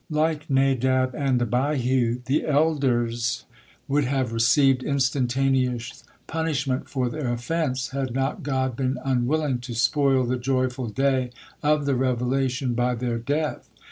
Like Nadab and Abihu the elder would have received instantaneous punishment for their offense, had not God been unwilling to spoil the joyful day of the revelation by their death.